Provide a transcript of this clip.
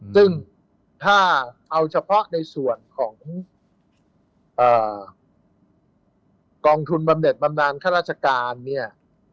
ซึ่งถ้าเอาเฉพาะในส่วนของกองทุนบำเด็ดบำนานข้าราชการเนี่ย